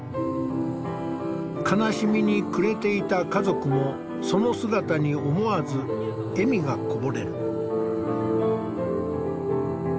悲しみに暮れていた家族もその姿に思わず笑みがこぼれる。